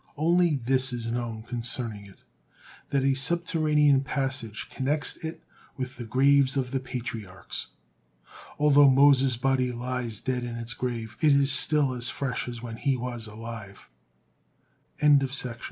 Only this is know concerning it, that a subterranean passage connects it with the graves of the Patriarchs. Although Moses' body lies dead in its grave, it is still as fresh as when he was al